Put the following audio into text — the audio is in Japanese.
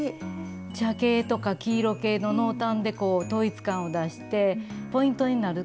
茶系とか黄色系の濃淡で統一感を出してポイントになる